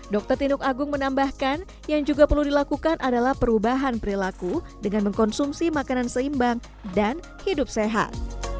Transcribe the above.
dr tinuk agung menambahkan yang juga perlu dilakukan adalah perubahan perilaku dengan mengkonsumsi makanan seimbang dan hidup sehat